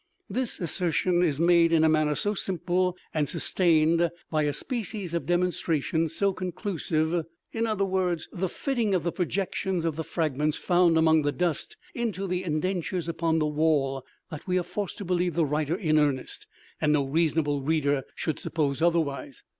_This assertion is made in a manner so simple, and sustained by a species of demonstration so conclusive (viz., the fitting of the projections of the fragments found among the dust into the indentures upon the wall), that we are forced to believe the writer in earnest; and no reasonable reader should suppose otherwise.